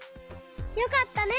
よかったね！